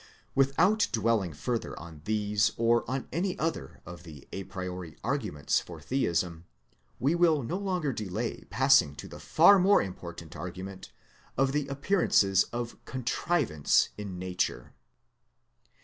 Without dwelling further on these or on any other of the a priori arguments for Theism, we will no longer delay passing to the far more important argument of the appearances of Contrivance in Nature.